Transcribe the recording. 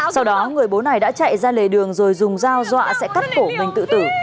sau đó người bố này đã chạy ra lề đường rồi dùng dao dọa sẽ cắt cổ mình tự tử